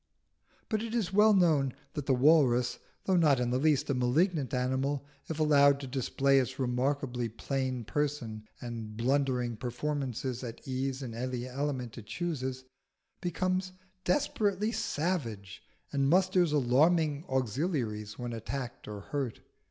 But it is well known that the walrus, though not in the least a malignant animal, if allowed to display its remarkably plain person and blundering performances at ease in any element it chooses, becomes desperately savage and musters alarming auxiliaries when attacked or hurt.